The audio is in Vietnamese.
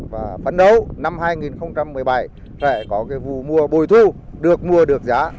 và phấn đấu năm hai nghìn một mươi bảy sẽ có vụ mùa bồi thu được mùa được giá